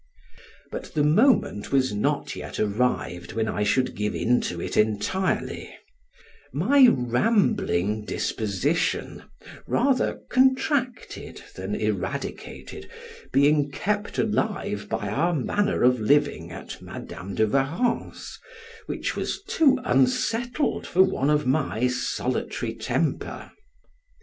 But the moment was not yet arrived when I should give into it entirely; my rambling disposition (rather contracted than eradicated) being kept alive by our manner of living at Madam de Warrens, which was too unsettled for one of my solitary temper.